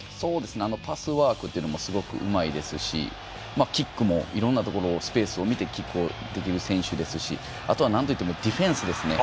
パスワークというのもすごくうまいですしキックも、いろんなところにスペースを見てキックできる選手ですしあとは、なんといってもディフェンスですね。